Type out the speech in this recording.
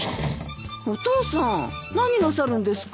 お父さん何なさるんですか？